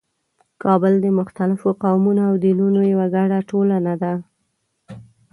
کابل د مختلفو قومونو او دینونو یوه ګډه ټولنه ده.